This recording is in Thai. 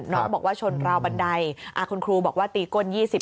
น้องบอกว่าชนราวบันไดคุณครูบอกว่าตีก้น๒๐